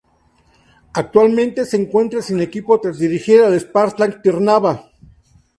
Actualmente se encuentra sin equipo tras dirigir al Spartak Trnava.